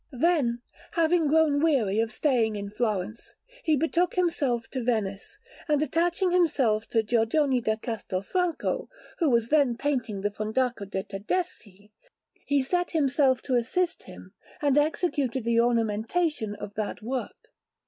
Then, having grown weary of staying in Florence, he betook himself to Venice; and attaching himself to Giorgione da Castelfranco, who was then painting the Fondaco de' Tedeschi, he set himself to assist him and executed the ornamentation of that work.